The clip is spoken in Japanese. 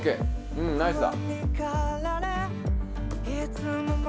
うん、ナイスだ。